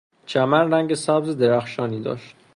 چمن رنگ سبز درخشانی داشت.